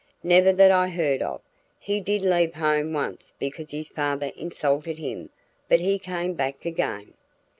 "Never that I heard of. He did leave home once because his father insulted him, but he came back again."